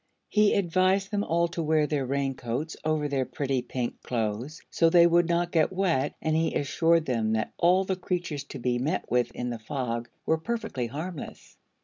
He advised them all to wear their raincoats over their pretty pink clothes, so they would not get wet, and he assured them that all the creatures to be met with in the Fog were perfectly harmless.